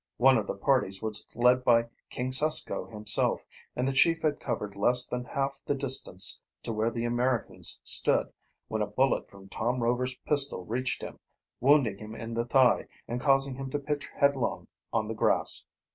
One of the parties was led by King Susko himself, and the chief had covered less than half the distance to where the Americans stood when a bullet from Tom Rover's pistol reached him, wounding him in the thigh and causing him to pitch headlong on the grass.